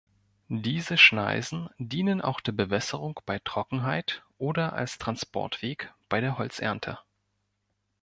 Diese Schneisen dienen auch der Bewässerung bei Trockenheit oder als Transportweg bei der Holzernte.